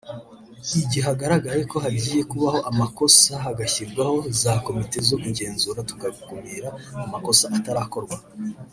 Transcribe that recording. igihe hagaragaye ko hagiye kubaho amakosa hagashyirwaho za Komite zo kugenzura tugakumira amakosa atarakorwa